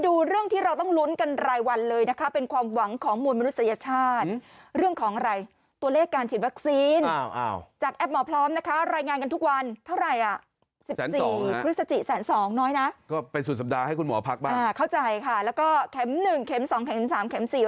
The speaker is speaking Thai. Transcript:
คือสัสสี่แสนสองน้อยน่ะเข้าใจค่ะแล้วก็แขมป์หนึ่งแขมป์สองแขมป์สามแขมป์สี่